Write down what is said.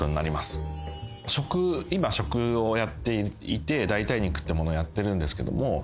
食今食をやっていて代替肉っていうものをやっているんですけども。